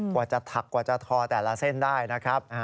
กว่าจะถักกว่าจะทอแต่ละเส้นได้นะครับ